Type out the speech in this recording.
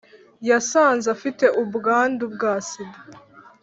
yasanze afite ubwandu bwa sida